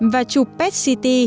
và chụp pet ct